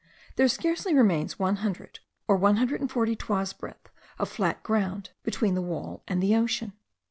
There scarcely remains one hundred or one hundred and forty toises breadth of flat ground between the wall and the ocean.